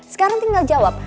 sekarang tinggal jawab